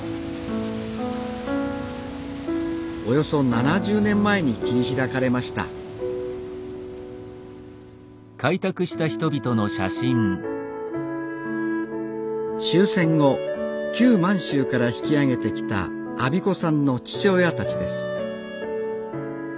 およそ７０年前に切り開かれました終戦後旧満州から引き揚げてきた安孫子さんの父親たちです。